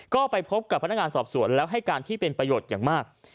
ก็ไปพบกับพนักงานสอบสวนแล้วให้การที่เป็นประโยชน์อย่างมาก